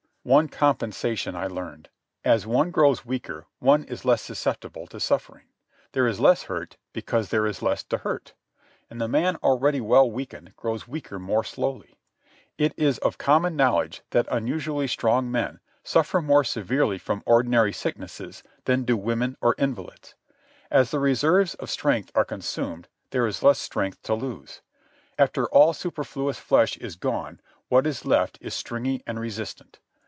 One compensation I learned. As one grows weaker one is less susceptible to suffering. There is less hurt because there is less to hurt. And the man already well weakened grows weaker more slowly. It is of common knowledge that unusually strong men suffer more severely from ordinary sicknesses than do women or invalids. As the reserves of strength are consumed there is less strength to lose. After all superfluous flesh is gone what is left is stringy and resistant.